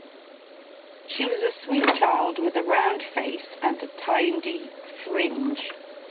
She was sweet child with a round face and a tidy fringe.